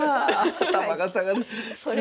頭が下がる！